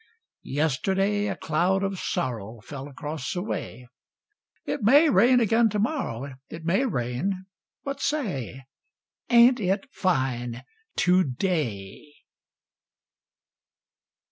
Yesterday a cloud of sorrow Fell across the way; It may rain again to morrow, It may rain but, say, Ain't it fine to day!